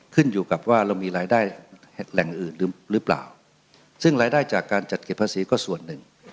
ขึ้นอยู่กับว่าเรามีรายได้แหล่งอื่นหรือเปล่าซึ่งรายได้จากการจัดเก็บภาษีก็ส่วนหนึ่ง